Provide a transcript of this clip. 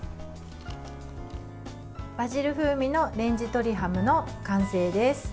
バジル風味のレンジ鶏ハムの完成です。